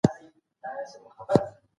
تاریخ پوهان باید حقایق په روښانه ډول ولیکي.